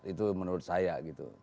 itu menurut saya gitu